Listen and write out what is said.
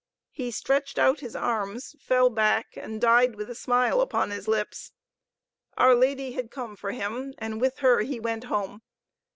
He stretched out his arms, fell back, and died with a smile upon his lips. Our Lady had come for him, and with her he went home.